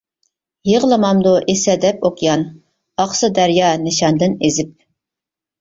يىغلىمامدۇ ئېسەدەپ ئوكيان، ئاقسا دەريا نىشاندىن ئېزىپ.